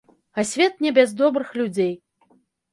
А свет не без добрых людзей.